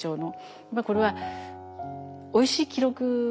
これはおいしい記録ですよね。